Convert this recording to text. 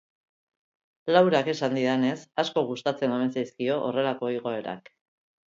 Laurak esan didanez asko gustatzen omen zaizkio horrelako igoerak.